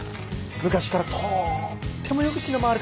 昔からとーってもよく気の回る方で。